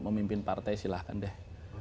memimpin partai silahkan deh